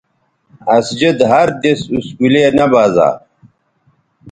اسجد ہر دِس اسکولے نہ بزا